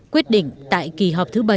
quyết định tại kỳ họp thứ bảy